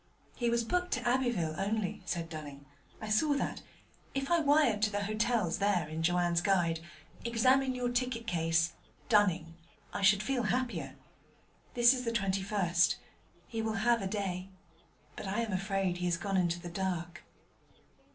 'He was booked to Abbeville only,' said Dunning. 'I saw that. If I wired to the hotels there in Joanne's Guide, "Examine your ticket case, Dunning," I should feel happier. This is the 21st: he will have a day. But I am afraid he has gone into the dark.'